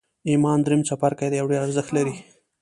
ایمان درېیم څپرکی دی او ډېر ارزښت لري